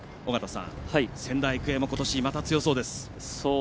仙台育英も、ことしまた強そうです。